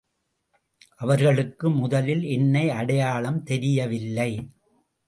அவர்களுக்கு முதலில் என்னை அடையாளம் தெரியவில்லை.